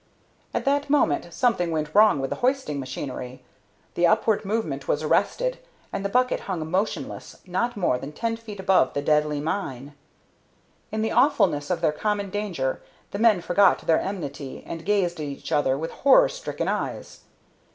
At that moment something went wrong with the hoisting machinery, the upward movement was arrested, and the bucket hung motionless not more than ten feet above the deadly mine. In the awfulness of their common danger, the men forgot their enmity and gazed at each other with horror stricken eyes.